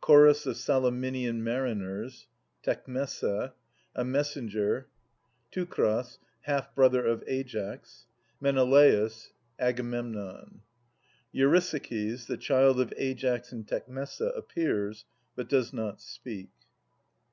Chorus of Salaminian Mariners. Tecmessa. A Messenger. Teucer, half brother of Aias. Menelaus. Agamemnon. EuRYSAKiis, the child of Aias and Tecmessa, appears, hut does not speak.